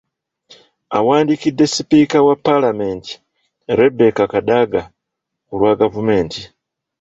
Awandiikidde Sipiika wa Palamenti, Rebecca Kadaga ku lwa gavumenti